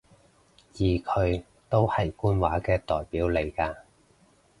而佢都係官話嘅代表嚟嘅